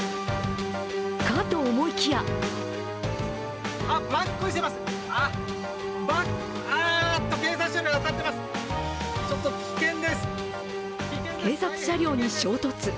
かと思いきや警察車両に衝突。